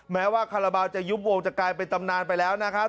แม้ว่าคาราบาลจะยุบวงจะกลายเป็นตำนานไปแล้วนะครับ